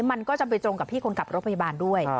มันก็จะไปตรงกับพี่คนขับรถพยาบาลด้วย